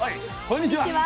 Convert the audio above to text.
こんにちは。